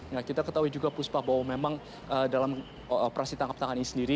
nah kita ketahui juga puspa bahwa memang dalam operasi tangkap tangan ini sendiri